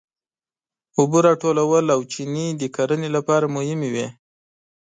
اوبه راټولول او چینې د کرنې لپاره مهمې وې.